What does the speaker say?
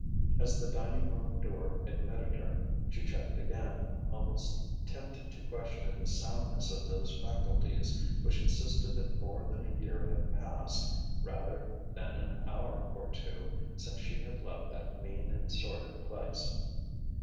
As the dining room door admitted her, she checked again, almost tempted to question the soundness of those faculties which insisted that more than a year had passed, rather than an hour or two, since she had left that mean and sordid place.